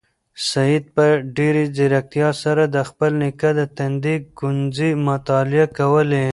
سعید په ډېرې ځیرکتیا سره د خپل نیکه د تندي ګونځې مطالعه کولې.